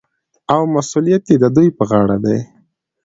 او مسوولیت یې د دوی په غاړه دی.